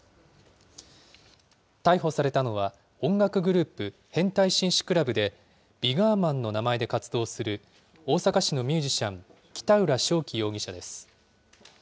逮捕されたのは、音楽グループ、変態紳士クラブでＶＩＧＯＲＭＡＮの名前で活動する大阪市のミュージシャン、北浦翔暉容疑者です。